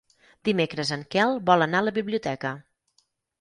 Dimecres en Quel vol anar a la biblioteca.